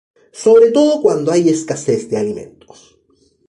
Sobre todo cuando hay escasez de alimentos.